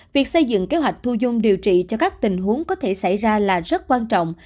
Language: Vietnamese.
việc xây dựng kế hoạch thu dung điều trị cho các tình huống có thể xảy ra là rất quan trọng